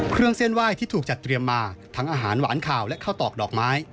เครื่องเส้นไหว้ที่ถูกจัดเตรียมมาทั้งอาหารหวานข่าวและข้าวตอกดอกไม้